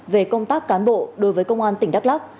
về công tác cán bộ đối với công an tỉnh đắk lắc